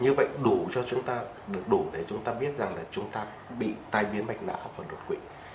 như vậy đủ cho chúng ta được đủ để chúng ta biết rằng là chúng ta bị tai biến mạch não và đột quỵ